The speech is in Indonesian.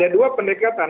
ada dua pendekatan